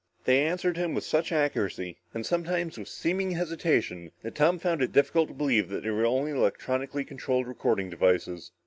They answered him with such accuracy, and sometimes with seeming hesitation, that Tom found it difficult to believe that they were only electronically controlled recording devices.